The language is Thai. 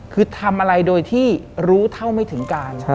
คือทำอะไรโดยที่รู้เท่าไม่ถึงการ